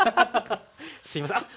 すいませんあっ！